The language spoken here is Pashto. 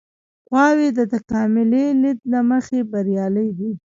غواوې د تکاملي لید له مخې بریالۍ دي.